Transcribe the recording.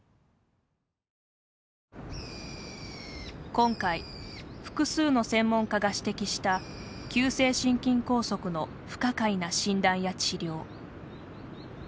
今回、複数の専門家が指摘した急性心筋梗塞の不可解な診断や治療。